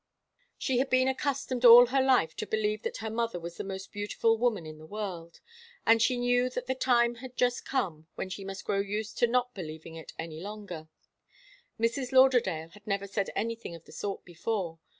She had been accustomed all her life to believe that her mother was the most beautiful woman in the world, and she knew that the time had just come when she must grow used to not believing it any longer. Mrs. Lauderdale had never said anything of the sort before.